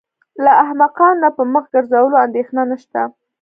له احمقانو نه په مخ ګرځولو اندېښنه نشته.